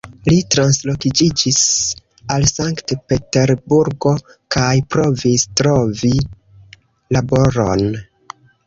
Li transloĝiĝis al Sankt-Peterburgo kaj provis trovi laboron.